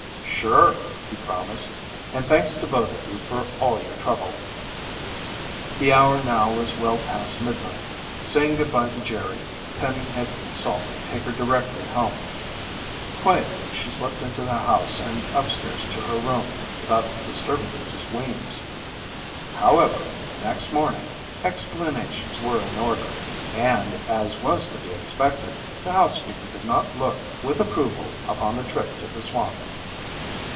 "Sure," he promised. "And thanks to both of you for all your trouble!" The hour now was well past midnight. Saying goodbye to Jerry, Penny had Salt take her directly home. Quietly she slipped into the house and upstairs to her own room without disturbing Mrs. Weems. However, next morning, explanations were in order, and as was to be expected, the housekeeper did not look with approval upon the trip to the swamp.